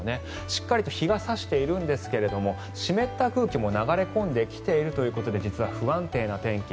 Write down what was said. しっかりと日が差しているんですが湿った空気も流れ込んできているということで実は不安定な天気